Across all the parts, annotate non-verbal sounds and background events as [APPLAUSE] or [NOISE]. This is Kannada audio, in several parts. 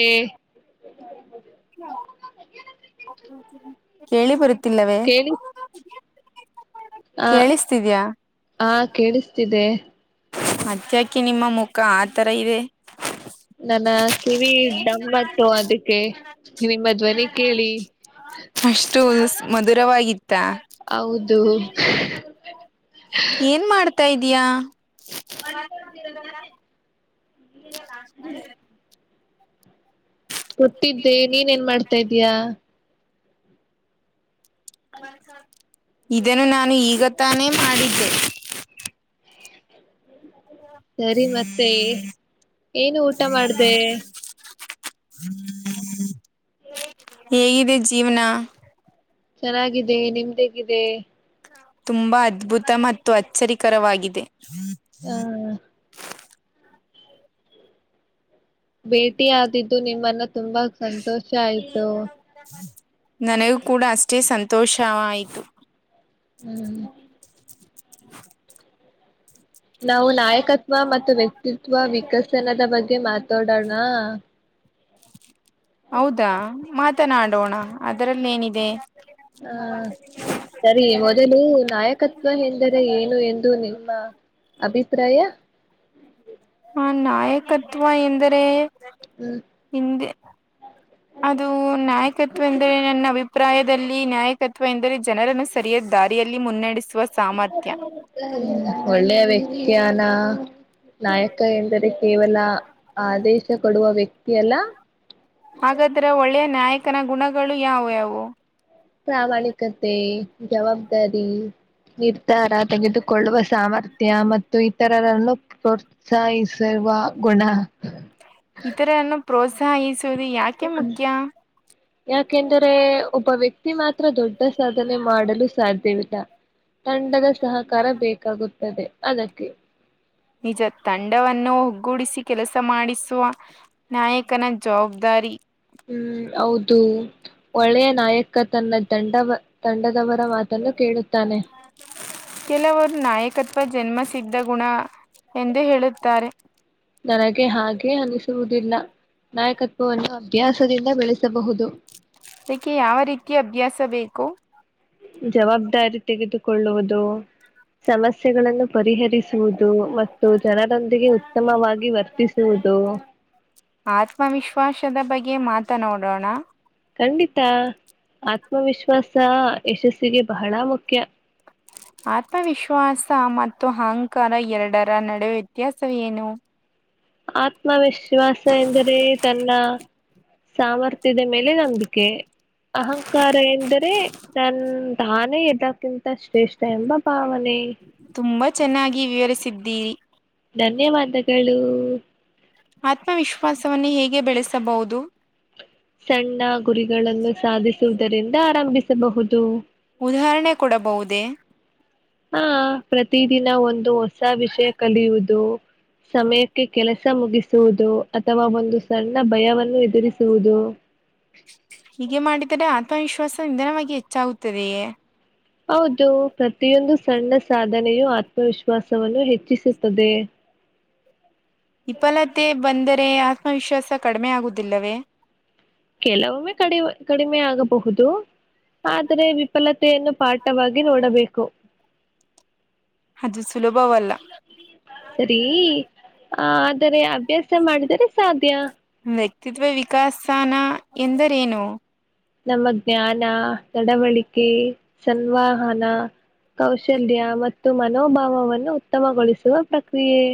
ಎ ಕೇಳಿ ಬರುತ್ತಿಲ್ಲವೇ. ಕೇಳಿ ಕೇಳಿಸ್ತಿದಿಯಾ. ಹಾ ಕೇಳಿಸ್ತಿದೆ. ಅತ್ತ್ಯಾಕೆ ನಿಮ್ಮ ಮುಖ ಆ ಥರಾ ಇದೆ. ನನ್ನ ಕಿವಿ ಡಂಮ್ ಅಂತು ಅದಕ್ಕೆ ನಿಮ್ಮ ಧ್ವನಿ ಕೇಳಿ. ಅಷ್ಟುಸ್ ಮಧುರವಾಗಿತ್ತಾ. ಹೌದು ಏನ ಮಾಡ್ತಾಇದಿಯಾ ವರ್ಕ್ ಮಾಡತಿದ್ದೆ ಕೊಟ್ಟಿದ್ದೆ ನೀನೆನ್ ಮಾಡ್ತಾ ಇದಯಾ. ಒಂದ ಸಾವರ ಇದನ್ನು ನಾನು ಈಗ ತಾನೇ ಮಾಡಿದ್ದೆ. ಸರಿ ಮತ್ತೆ ಏನು ಊಟ ಮಾಡದೆ. ಹೇಗಿದೆ ಜೀವನಾ. ಚೆನ್ನಾಗಿದೆ ನಿಮ್ದೇಗಿದೆ. ತುಂಬಾ ಅದ್ಭುತ ಮತ್ತು ಅಚ್ಚರಿಕರವಾಗಿದೆ. ಹ ಭೇಟಿ ಆದಿದ್ದು ನಿಮ್ಮನ್ನು ತುಂಬಾ ಸಂತೋಷ ಆಯ್ತು. ನನಗೂ ಕೂಡಾ ಅಷ್ಟೇ ಸಂತೋಷ ಆಯ್ತು. ಹು ನಾವು ನಾಯಕತ್ವ ಮತ್ತು ವ್ಯಕ್ತಿತ್ವ ವಿಕಸನದ ಬಗ್ಗೆ ಮಾತಾಡೋಣ. ಹೌದಾ ಮಾತನಾಡೋಣಾ ಅದರಲ್ಲೇನಿದೆ. ಹಾ ಸರಿ ಮೊದಲು ನಾಯಕತ್ವ ಎಂದರೆ ಏನು ಎಂದು ನಿಮ್ಮ. ಅಭಿಪ್ರಾಯಾ. ಹಾ ನಾಯಕತ್ವ ಎಂದರೆ. ಹು ಹಿಂದೆ. [INAUDIBLE] ಅದು ನಾಯಕತ್ವ ಎಂದರೆ ನನ್ನ ಅಭಿಪ್ರಾಯದಲ್ಲಿ ನಾಯಕತ್ವ ಎಂದರೆ ಜನರನ್ನು. ಸರಿಯಾದ ದಾರಿಯಲ್ಲಿ ಮುನ್ನಡೆಸುವ ಸಾಮರ್ಥ್ಯ. ಒಳ್ಳೆಯ ವ್ಯಕ್ತಿಯಾನ. ನಾಯಕ ಎಂದರೆ ಕೇವಲ ಆದೇಶ ಕೊಡುವ ವ್ಯಕ್ತಿ ಅಲ್ಲ. ಹಾಗಾದ್ರೆ ಒಳ್ಳೆಯ ನಾಯಕನ ಗುಣಗಳು ಯಾವವು ಯಾವವು. ಪ್ರಾಮಾಣಿಕತೆ ಜವಾಬ್ದಾರಿ. ನಿರ್ಧಾರ ತೆಗೆದುಕೊಳ್ಳುವ ಸಾಮರ್ಥ್ಯ ಮತ್ತು ಇತರರನ್ನು. ಪ್ರೊತ್ಸಸುವ ಗುಣ. ಇತರನ್ನು ಪ್ರೋತ್ಸಾಹಿಸುವುದು ಯಾಕೆ ಮುಖ್ಯ. ಯಾಕೆಂದರೆ ಒಬ್ಬ ವ್ಯಕ್ತಿ ಮಾತ್ರ ದೊಡ್ಡ ಸಾಧನೆ ಮಾಡಲು ಸಾಧ್ಯವಿಲ್ಲ. ತಂಡದ ಸಹಕಾರ ಬೇಕಾಗುತ್ತದೆ ಅದಕ್ಕೆ. ನಿಜ ತಂಡವನ್ನು ಒಗ್ಗೂಡಿಸಿ ಕೆಲಸ ಮಾಡಿಸುವ. ನಾಯಕನ ಜವಾಬ್ದಾರಿ. ಹ್ಮ್ ಹೌದು. ಒಳ್ಳೆಯ ನಾಯಕ ತನ್ನ ತಂಡ ತಂಡದವರ ಮಾತನ್ನು ಕೇಳುತ್ತಾನೆ. ಕೆಲವರು ನಾಯಕತ್ವ ಜನ್ಮ ಸಿದ್ದಗುಣ ಎಂದು ಹೇಳುತ್ತಾರೆ.. ನನಗೆ ಹಾಗೆ ಅನಿಸುವುದಿಲ್ಲ, ನಾಯಕತ್ವವನ್ನು ಅಭ್ಯಾಸದಿಂದ ಬೆಳೆಸಬಹುದು. ಅದಕ್ಕೆ ಯಾವ ರೀತಿ ಅಭ್ಯಾಸಬೇಕು. ಜವಾಬ್ದಾರಿ ತೆಗೆದುಕೊಳ್ಳುವುದು. ಸಮಸ್ಯೆಗಳನ್ನು ಪರಿಹರಿಸುವುದು ಮತ್ತು ಜನರೊಂದಿಗೆ. ಉತ್ತಮವಾಗಿ ವರ್ತಿಸುವುದು. ಆತ್ಮವಿಶ್ವಾಸದ ಬಗ್ಗೆ ಮಾತನಾಡೋಣ. ಖಂಡಿತ ಆತ್ಮವಿಶ್ವಾಸ ಯಶಸ್ಸಿಗೆ ಬಹಳ ಮುಖ್ಯ.. ಆತ್ಮವಿಶ್ವಾಸ ಮತ್ತು ಅಹಂಕಾರ ಎರಡರ ನಡುವೆ ವ್ಯತ್ಯಾಸ ಏನು? ಆತ್ಮವಿಶ್ವಾಸ ಎಂದರೆ ತನ್ನ. ಸಾಮರ್ಥ್ಯದ ಮೇಲೆ ನಂಬಿಕೆ ಅಹಂಕಾರ ಎಂದರೆ? ತನ್ ತಾನೇ ಇದ್ದಕ್ಕಿಂತ ಶ್ರೇಷ್ಠ ಎಂಬ ಭಾವನೆ. ತುಂಬಾ ಚೆನ್ನಾಗಿ ವಿವರಿಸಿದ್ದೀರಿ. ಧನ್ಯವಾದಗಳು. ಆತ್ಮವಿಶ್ವಾಸವನ್ನ ಹೇಗೆ ಬೆಳೆಸಬಹುದು. ಸಣ್ಣ ಗುರಿಗಳನ್ನು ಸಾಧಿಸುವುದರಿಂದ ಆರಂಭಿಸಬಹುದು. ಉದಾಹರಣೆ ಕೊಡಬಹುದೇ. ಹಾ ಪ್ರತಿದಿನ ಒಂದು ಹೊಸ ವಿಷಯ ಕಲಿಯುವುದು. ಸಮಯಕ್ಕೆ ಕೆಲಸ ಮುಗಿಸುವುದು ಅಥವಾ ಒಂದು ಸಣ್ಣ ಭಯವನ್ನು ಎದುರಿಸುವುದು. ಹೀಗೆ ಮಾಡಿದರೆ ಆತ್ಮವಿಶ್ವಾಸ ನಿಧಾನವಾಗಿ ಹೆಚ್ಚಾಗುತ್ತದೆಯೇ. ಹೌದು ಪ್ರತಿಯೊಂದು ಸಣ್ಣ ಸಾಧನೆಯು ಆತ್ಮವಿಶ್ವಾಸವನ್ನು ಹೆಚ್ಚಿಸುತ್ತದೆ. ವಿಪಲತೆ ಬಂದರೆ ಆತ್ಮವಿಶ್ವಾಸ ಕಡಿಮೆ ಆಗುವುದಿಲ್ಲವೇ.. ಕೆಲವೊಮ್ಮೆ ಕಡಿ ಕಡಿಮೆಯಾಗಬಹುದು ಆದರೆ ವಿಫಲತೆಯನ್ನು. ಪಾಠ. ವಾಗಿ ನೋಡಬೇಕು. ಅದು ಸುಲಭವಲ್ಲ. ಸರಿ ಆದರೆ ಅಭ್ಯಾಸ ಮಾಡಿದರೆ ಸಾಧ್ಯ. ವ್ಯಕ್ತಿತ್ವ ವಿಕಾಸಾನ ಎಂದರೇನು? ನಮ್ಮ ಜ್ಞಾನ ನಡವಳಿಕೆ ಸಂವಾಹನ. ಕೌಶಲ್ಯ ಮತ್ತು ಮನೋಭಾವವನ್ನು ಉತ್ತಮಗೊಳಿಸುವ ಪ್ರಕ್ರಿಯೆ.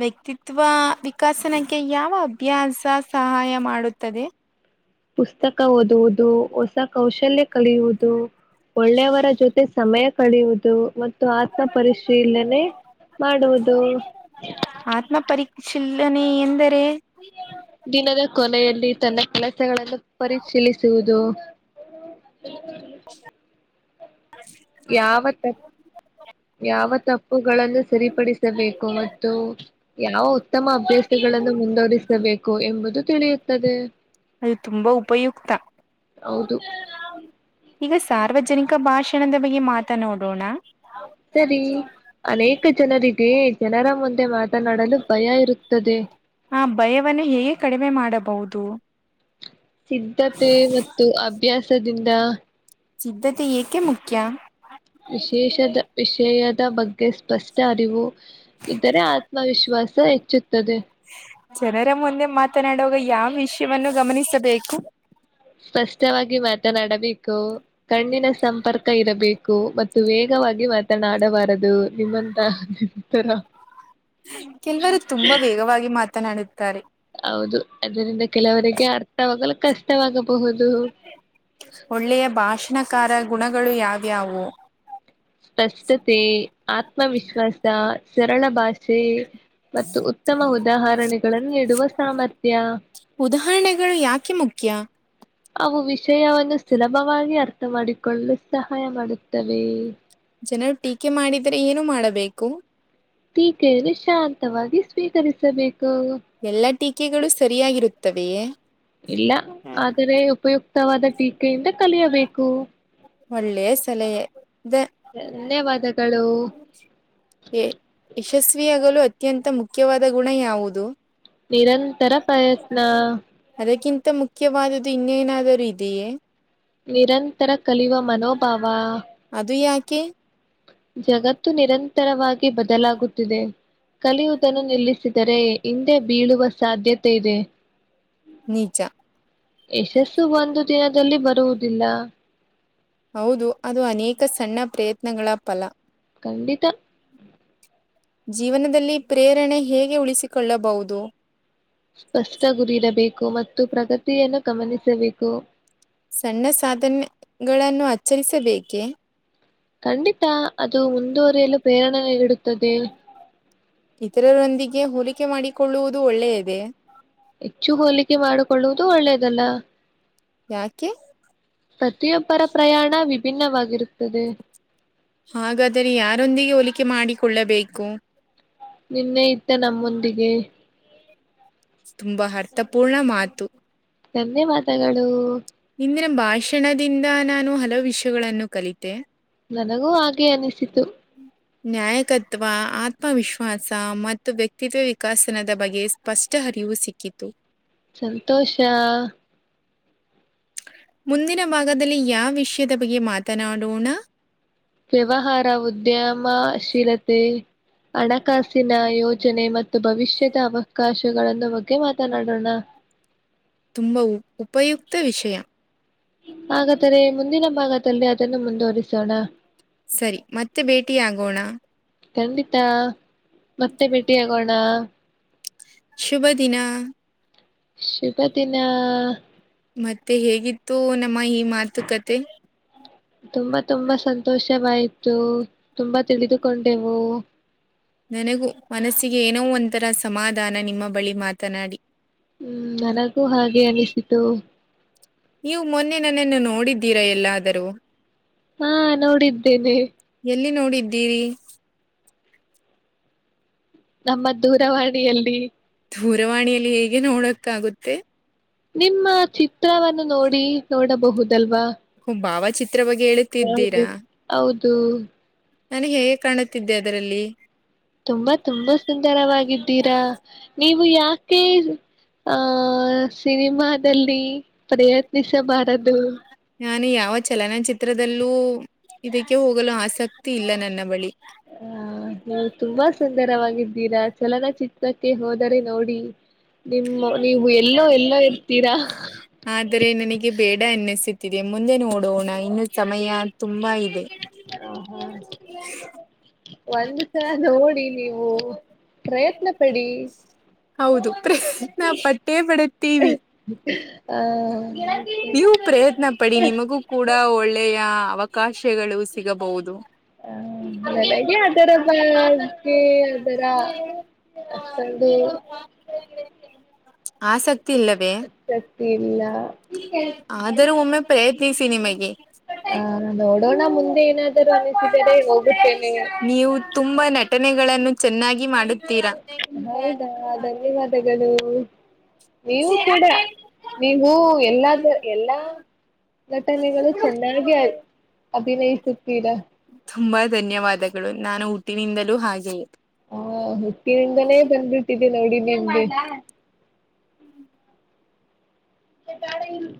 ವ್ಯಕ್ತಿತ್ವ ವಿಕಾಸನಕ್ಕೆ ಯಾವ ಅಭ್ಯಾಸ ಸಹಾಯ ಮಾಡುತ್ತದೆ. ಪುಸ್ತಕ ಓದುವುದು, ಹೊಸ ಕೌಶಲ್ಯ ಕಳಿಯುವುದು. ಒಳ್ಳೆಯವರ ಜೊತೆ ಸಮಯ ಕಳಿಯುವುದು. ಆತ್ಮ ಪರಿಶೀಲನೆ ಮಾಡುವುದು. ಆತ್ಮ ಪರಿಶೀಲನೆ ಎಂದರೆ, ದಿನದ ಕೊನೆಯಲ್ಲಿ ತನ್ನ ಕೆಲಸಗಳನ್ನು ಪರಿಶೀಲಿಸುವುದು. ಹ್ಮ [UNINTELLIGIBLE] ಯಾವ ತಪ್ಪು ಯಾವ ತಪ್ಪುಗಳನ್ನು ಸರಿಪಡಿಸಬೇಕು ಮತ್ತು ಯಾವ ಉತ್ತಮ ಅಭ್ಯಾಸಗಳನ್ನು ಮುಂದುವರಿಸಬೇಕು ಎಂಬುದು ತಿಳಿಯುತ್ತದೆ. ಅದು ತುಂಬಾ ಉಪಯುಕ್ತ. ಹೌದು ಈಗ ಸಾರ್ವಜನಿಕ ಭಾಷಣದ ಬಗ್ಗೆ ಮಾತನಾ ಡೋಣ. ಸರಿ ಅನೇಕ ಜನರಿಗೆ ಜನರ ಮುಂದೆ ಮಾತನಾಡಲು ಭಯ ಇರುತ್ತದೆ. ಆ ಭಯವವನ್ನು ಹೇಗೆ ಕಡಿಮೆ ಮಾಡಬಹುದು.? ಸಿದ್ಧತೆ ಮತ್ತು ಅಭ್ಯಾಸದಿಂದ. ಸಿದ್ಧತೆ ಏಕೆ ಮುಖ್ಯ? ವಿಶೇಷದ ವಿಷಯದ ಬಗ್ಗೆ ಸ್ಪಷ್ಟ ಅರಿವು ಇದ್ದರೆ ಆತ್ಮವಿಶ್ವಾಸ ಹೆಚ್ಚುತ್ತದೆ. ಜನರ ಮುಂದೆ ಮಾತನಾಡುವಾಗ ಯಾವ ವಿಷಯವನ್ನು ಗಮನಿಸಬೇಕು? ಸ್ಪಷ್ಟವಾಗಿ ಮಾತನಾಡಬೇಕು. ಕಣ್ಣಿನ ಸಂಪರ್ಕ ಇರಬೇಕು. ಮತ್ತು ವೇಗವಾಗಿ ಮಾತನಾಡಬಾರದು ನಿಮ್ಮಂತ ತರ [INAUDIBLE] ಕೆಲವರು ತುಂಬಾ ವೇಗವಾಗಿ ಮಾತನಾಡುತ್ತಾರೆ. ಹೌದು ಅದರಿಂದ ಕೆಲವರಿಗೆ ಅರ್ಥವಾಗಲು ಕಷ್ಟವಾಗಬಹುದು. ಒಳ್ಳೆಯ ಭಾಷಣಕಾರ ಗುಣಗಳು ಯಾವ್ಯಾವು? ಪ್ರಸ್ತುತಿ, ಆತ್ಮವಿಶ್ವಾಸ, ಸರಳ ಭಾಷೆ ಮತ್ತು ಉತ್ತಮ ಉದಾಹರಣೆಗಳನ್ನು ನೀಡುವ ಸಾಮರ್ಥ್ಯ. ಉದಾಹರಣೆಗಳು ಯಾಕೆ ಮುಖ್ಯ? ಅವು ವಿಷಯವನ್ನು ಸುಲಭವಾಗಿ ಅರ್ಥ ಮಾಡಿಕೊಳ್ಳಲು ಸಹಾಯ ಮಾಡುತ್ತವೆ. ಜನರು ಟೀಕೆ ಮಾಡಿದರೆ ಏನು ಮಾಡಬೇಕು? ಟೀಕೆಯನ್ನು ಶಾಂತವಾಗಿ ಸ್ವೀಕರಿಸಬೇಕು. ಎಲ್ಲಾ ಟೀಕೆಗಳು ಸರಿಯಾಗಿರುತ್ತವೆಯೇ? ಇಲ್ಲ ಆದರೆ ಉಪಯುಕ್ತವಾದ ಟೀಕೆಯಿಂದ ಕಲಿಯಬೇಕು. ಒಳ್ಳೆ ಸಲಹೆ ಇ ಧನ್ಯವಾದಗಳು. ಯ ಯಶಸ್ವಿಯಾಗಲು ಅತ್ಯಂತ ಮುಖ್ಯವಾದ ಗುಣ ಯಾವುದು? ನಿರಂತರ ಪ್ರಯತ್ನ. ಅದಕ್ಕಿಂತ ಮುಖ್ಯವಾದದ್ದು ಇನ್ನೇನಾದರೂ ಇದೆಯೇ? ನಿರಂತರ ಕಲಿಯುವ ಮನೋಭಾವ. ಅದು ಯಾಕೆ? ಜಗತ್ತು ನಿರಂತರವಾಗಿ ಬದಲಾಗುತ್ತಿದೆ. ಕಲಿಯುವುದನ್ನು ನಿಲ್ಲಿಸಿದರೆ ಹಿಂದೆ ಬೀಳುವ ಸಾಧ್ಯತೆ ಇದೆ. ನಿಜ [INAUDIBLE] ಯಶಸ್ಸು ಒಂದು ದಿನದಲ್ಲಿ ಬರುವುದಿಲ್ಲ. ಹೌದು, ಅದು ಅನೇಕ ಸಣ್ಣ ಪ್ರಯತ್ನಗಳ ಫಲ. ಕಂಡಿತ, ಜೀವನದಲ್ಲಿ ಪ್ರೇರಣೆ ಹೇಗೆ ಉಳಿಸಿಕೊಳ್ಳಬಹುದು. ಸ್ಪಷ್ಟ ಗುರಿರಬೇಕು ಮತ್ತು ಪ್ರಗತಿಯನ್ನು ಗಮನಿಸಬೇಕು. ಸಣ್ಣ ಸಾಧನೆಗಳನ್ನು ಆಚ್ಚರಿಸಬೇಕೇ. ಖಂಡಿತಾ ಅದು ಮುಂದುವರಿಯಲು ಪ್ರೇರಣೆ ಇಡುತ್ತದೆ. ಇತರರೊಂದಿಗೆ ಹೋಲಿಕೆ ಮಾಡಿಕೊಳ್ಳುವುದು ಒಳ್ಳೆಯದೇ. ಹೆಚ್ಚು ಹೋಲಿಕೆ ಮಾಡಿಕೊಳ್ಳುವುದು ಒಳ್ಳೇದಲ್ಲ. ಯಾಕೆ. ಪ್ರತಿಯೊಬ್ಬರ ಪ್ರಯಾಣ ವಿಭಿನ್ನವಾಗಿರುತ್ತದೆ. ಹಾಗಾದರೆ ಯಾರೊಂದಿಗೆ ಹೋಲಿಕೆ ಮಾಡಿಕೊಳ್ಳಬೇಕು. ನಿನ್ನೆ ಇದ್ದ ನಮ್ಮಂದಿಗೆ. ತುಂಬಾ ಅರ್ಥಪೂರ್ಣ ಮಾತು. ಧನ್ಯ ಮಾದಗಳು. ಇಂದಿನ ಭಾಷಣದಿಂದ ನಾನು ಹಲವು ವಿಷಯಗಳನ್ನು ಕಲಿತೆ. ನನಗೂ ಹಾಗೆ ಅನಿಸಿತು. ನ್ಯಾಯಕತ್ವ ಆತ್ಮವಿಶ್ವಾಸ ಮತ್ತು ವ್ಯಕ್ತಿತ್ವ ವಿಕಸನದ ಬಗೆ. ಸ್ಷ್ಟ ಹರಿವು ಸಿಕ್ಕಿತು. ಸಂತೋಷ. ಮುಂದಿನ ಭಾಗದಲ್ಲಿ ಯಾವ ವಿಷಯದ ಬಗ್ಗೆ ಮಾತನಾಡೋಣ. ವ್ಯವಹಾರ ಉದ್ಯಮ ಶೀಲತೆ. ಹಣಕಾಸಿನ ಯೋಜನೆ ಮತ್ತು ಭವಿಷ್ಯದ ಅವಕಾಶಗಳನ್ನು ಬಗ್ಗೆ ಮಾತನಾಡೋಣ. ತುಂಬ ಉ ಉಪಯುಕ್ತ ವಿಷೆ. ಹಾಗಾದರೆೆ ಮುಂದಿನ ಭಾಗದಲ್ಲಿ ಅದನ್ನು ಮುಂದುವರಿಸೋಣ. ಸರಿ ಮತ್ತೆ ಭೇಟಿ ಆಗೋಣ. ಕಖಂಡಿತಾ. ಮತ್ತೆ ಭೇಟಿಿಯಾಗೋಣ. ಶುಭ ದಿನ ಶುಭ ದಿನ. ಮತ್ತೆ ಹೇಗಿತ್ತು ನಮ್ಮ ಈ ಮಾತುಕತೆ. ತುಂಬಾ ತುಂಬಾ ಸಂತೋಷವಾಯ್ತು, ತುಂಬಾ ತಿಳಿದುಕೊಂಡೆವು. ನನಗೂ ಮನಸ್ಸಿಗೆ ಏನೋ ಒಂಥರ ಸಮಾಧಾನ ನಿಮ್ಮ ಬಳಿ ಮಾತನಾಡಿ. ಹ್ಮ್ ನನಗೂ ಹಾಗೆ ಅನಿಸಿತು. ನೀವು ಮೊನ್ನೆ ನನನ್ನು ನೋಡಿದ್ದೀರಾ ಎಲ್ಲಾದರೂ. ಹಾ ನೋಡಿದ್ದೇನೆ. ಎಲ್ಲಿ ನೋಡಿದ್ದೀರಿ. ನಮ್ಮ ದೂರವಾಣಿಯಲ್ಲಿ. ದೂರವಾಣಿಯಲ್ಲಿ ಹೇಗೆ ನೋಡಕ್ಕಾಗುತ್ತೆ. ನಿಮ್ಮ ಚಿತ್ರವನ್ನು ನೋಡಿ ನೋಡಬಹುದಲ್ವಾ. ಹ್ಮ್ ಭಾವಚಿತ್ರ ಬಗ್ಗೆ. ೆ [INAUDIBLE] ಹೇಳುತ್ತಿದ್ದೀರಾ ಹೌದು. ನಾನ ಹೇಗೆ ಕಾಣುತ್ತಿದ್ದೆ ಅದರಲ್ಲಿ. ತುಂಬಾ ತುಂಬಾ ಸುಂದರವಾಗಿದ್ದೀರಾ ನೀವು ಯಾಕೆ. ಆಹ ಸಿನಿಮಾದಲ್ಲಿ ಪ್ರಯತ್ನಿಸಬಾರದು. ನಾನು ಯಾವ ಚಲನಚಿತ್ರದಲ್ಲೂ ಇದಕ್ಕೆ ಹೋಗಲು ಆಸಕ್ತಿ ಇಲ್ಲ ನನ್ನ ಬಳಿ. ಹ್ಮ ನಾ ತುಂಬಾ ಸುಂದರವಾಗಿದ್ದೀರಾ ಚಲನಚಿತ್ರಕ್ಕೆ ಹೋದರೆ ನೋಡಿ. ನಿಮ್ಮ ನೀವು ಎಲ್ಲೋ ಎಲ್ಲೋ ಇರ್ತೀರಾ. ಆದ್ರೆ ನನಗೆ ಬೇಡ ಅನ್ನಿಸುತ್ತಿದೆ ಮುಂದೆ ನೋಡೋಣ ಇನ್ನು ಸಮಯ ತುಂಬಾ ಇದೆ. ಹು ಹು ಒಂದು ಸಲ ನೋಡಿ ನೀವು ಪ್ರಯತ್ನ ಪಡಿ. ಹೌದು ಪ್ರಯತ್ನಪಟ್ಟೆ. [INAUDIBLE] ಹ ನೀವು ಪ್ರಯತ್ನ ಪಡಿ ನಿಮಗೂ ಕೂಡ ಒಳ್ಳೆಯ. ಕಾಶೆಗಳು ಸಿಗಬಹುದು. ನನಗೆ ಅದರ ಬಗ್ಗೆ ಅದರ [UNINTELLIGIBLE] ಅಷ್ಟೊಂದು ಆಸಕ್ತಿ ಇಲ್ಲವೇ. ಆಸಕ್ತಿ ಇಲ್ಲ. ಆದರೂ ಒಮ್ಮೆ ಪ್ರಯತ್ನಿಸಿ ನಿಮಗೆ. ಹ ನೋಡೋಣ ಮುಂದೆ ಏನಾದರೂ ಅನಿಸಿದರೆ ಹೋಗುತ್ತೇನೆ. ನೀವು ತುಂಬಾ ನಟನೆಗಳನ್ನು ಚೆನ್ನಾಗಿ ಮಾಡು. ಹೌದಾ ಧನ್ಯವಾದಗಳು. ನೀವು ಕೂಡ ನೀವು ಎಲ್ಲಾದ ಎಲ್ಲಾ [UNINTELLIGIBLE] ನಟನೆಗಳು ಚೆನ್ನಾಗಿ ಅಭಿನಯಿಸುತ್ತೀರಾ. ತುಂಬಾ ಧನ್ಯವಾದಗಳು ನಾನು ಹುಟ್ಟಿನಿಂದಲೂ ಹಾಗೆಯೇ. ಹಾ ಹುಟ್ಟಿನಿಂದಾನೇ ಬಂದ್ಬಿಟ್ಟಿದೆ ನೋಡಿ ನಿಮ್ಗೆ. ಹೇ ಬ್ಯಾಡ ಇರು.